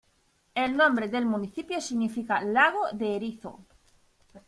El nombre del municipio significa "lago de erizo".